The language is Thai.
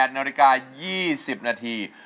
๘นาฬิกา๒๐นาที